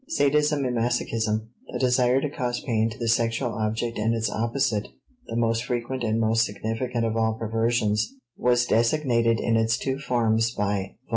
*Sadism and Masochism.* The desire to cause pain to the sexual object and its opposite, the most frequent and most significant of all perversions, was designated in its two forms by v.